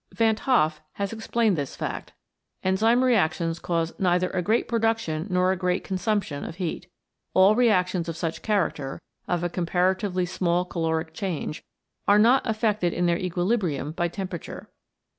Van 't Hoff has explained this fact. Enzyme reactions cause neither a great production nor a great con sumption of heat. All reactions of such character, of a comparatively small caloric change are not affected in their equilibrium by temperature.